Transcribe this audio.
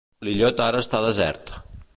L'illot ara està desert.